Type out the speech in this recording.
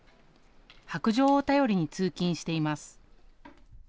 白杖を頼りに通勤しています。